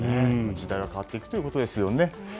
時代は変わっていくということです。